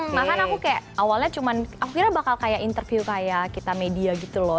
bahkan aku kayak awalnya cuma akhirnya bakal kayak interview kayak kita media gitu loh